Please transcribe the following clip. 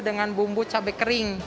dengan bumbu cabai kering